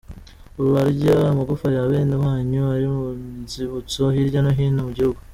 Urarya amagufa ya bene wanyu ari mu nzibutso hirya no hino mu gihugu.